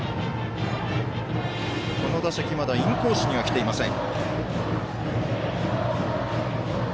この打席、まだインコースにはきていません。